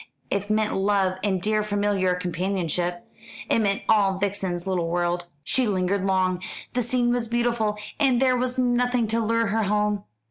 It meant love and dear familiar companionship. It meant all Vixen's little world. She lingered long. The scene was beautiful, and there was nothing to lure her home.